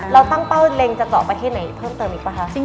แล้วตั้งเป้าเลงจะเจาะไปที่ไหนเพิ่มเติมอีกหรือป่ะ